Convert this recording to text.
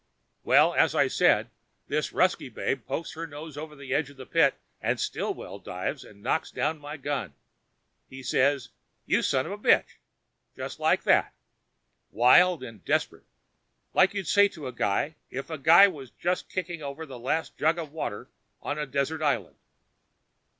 Well, as I was saying, this Ruskie babe pokes her nose over the edge of the pit and Stillwell dives and knocks down my gun. He says, "You son of a bitch!" Just like that. Wild and desperate, like you'd say to a guy if the guy was just kicking over the last jug of water on a desert island.